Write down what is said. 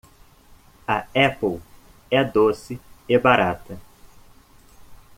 A Apple é doce e barata